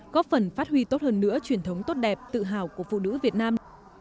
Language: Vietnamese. có phần phát huy tốt hơn nữa truyền thống tốt đẹp tự hào của phụ nữ việt nam